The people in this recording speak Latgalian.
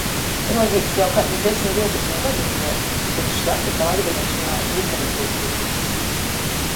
Ruodīs, jau kaidus desmit divpadsmit godus dzieržu – cik švaki, ka latgalīšim nav literaturkritikys.